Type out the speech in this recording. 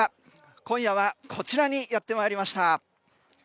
今夜はこちらにやってまいりました。